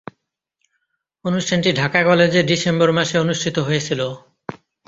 অনুষ্ঠানটি ঢাকা কলেজে ডিসেম্বর মাসে অনুষ্ঠিত হয়েছিলো।